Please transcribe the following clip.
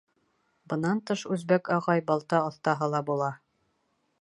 Бынан тыш, Үзбәк ағай балта оҫтаһы ла була.